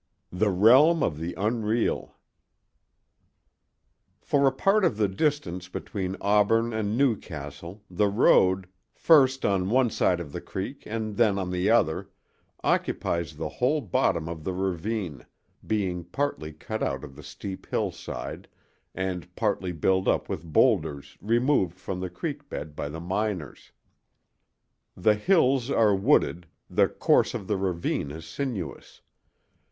THE REALM OF THE UNREAL I FOR a part of the distance between Auburn and Newcastle the road—first on one side of a creek and then on the other—occupies the whole bottom of the ravine, being partly cut out of the steep hillside, and partly built up with bowlders removed from the creek bed by the miners. The hills are wooded, the course of the ravine is sinuous.